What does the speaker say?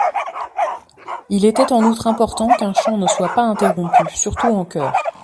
Il était en outre important qu'un chant ne soit pas interrompu, surtout en chœur.